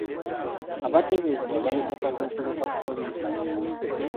Abateeberezebwa bali mu kadduukulu ka poliisi.